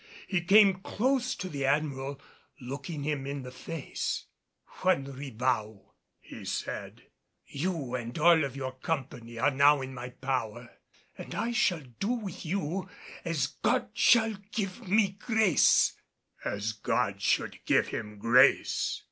He came close to the Admiral, looking him in the face: "Juan Ribao," he said, "you and all of your company are now in my power, and I shall do with you as God shall give me grace!" As God should give him grace!